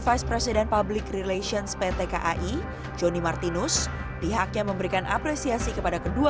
vicepresiden public relations pt kai joni martinus pihaknya memberikan apresiasi kepada kedua